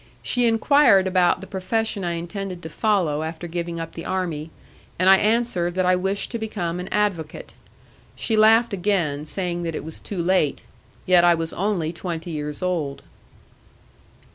She enquired about the profession I intended to follow after giving up the army, and I answered that I wished to become an advocate. She laughed again, saying that it was too late. Yet I was only twenty years old.